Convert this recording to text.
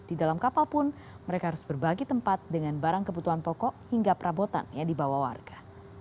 di dalam kapal pun mereka harus berbagi tempat dengan barang kebutuhan pokok hingga perabotan yang dibawa warga